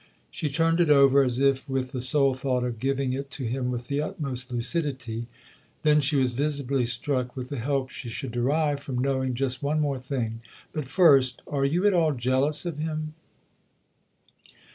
She turned it over as if with the sole thought of giving it to him with the utmost lucidity; then she was visibly struck with the help she should derive from knowing just one thing more. " But first are you at all jealous of him